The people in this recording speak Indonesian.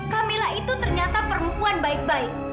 camilla itu ternyata perempuan baik baik